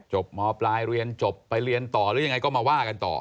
มปลายเรียนจบไปเรียนต่อหรือยังไงก็มาว่ากันต่อ